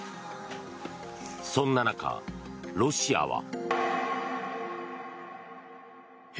そんな中、ロシアは。